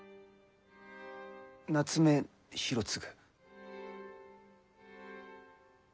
夏目広次。